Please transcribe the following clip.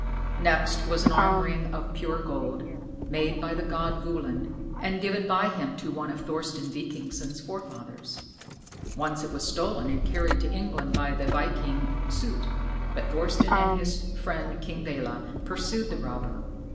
Next was an arm ring of pure gold, made by the god Völund, and given by him to one of Thorsten Vikingsson's forefathers. Once it was stolen and carried to England by the viking Soté, but Thorsten and his friend King Belé pursued the robber.